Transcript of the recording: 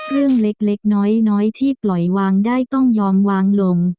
เรื่องเล็กน้อยที่ปล่อยวางได้ต้องยอมวางลง